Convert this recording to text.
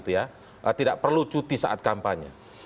tidak perlu cuti saat kampanye